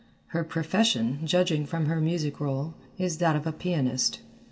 Her profession, judging from her music roll, is that of a pianist.